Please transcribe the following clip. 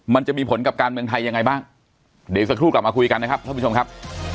มันจะมีผลกับการเมืองไทยยังไงบ้างเดี๋ยวสักครู่กลับมาคุยกันนะครับท่านผู้ชมครับ